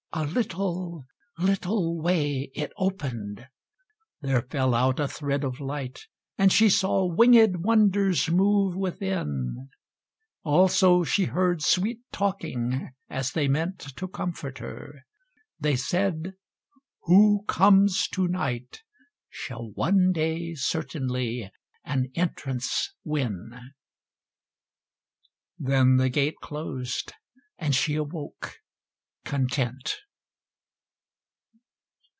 A little little way It opened: there fell out a thread of light, And she saw wingèd wonders move within; Also she heard sweet talking as they meant To comfort her. They said, "Who comes to night Shall one day certainly an entrance win;" Then the gate closed and she awoke content.